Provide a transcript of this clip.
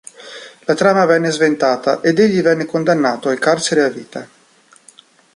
La trama venne sventata ed egli venne condannato al carcere a vita.